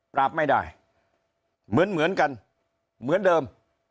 ปราบไม่ได้เหมือนเหมือนกันเหมือนเดิม